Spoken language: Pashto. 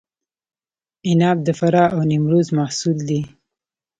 عناب د فراه او نیمروز محصول دی.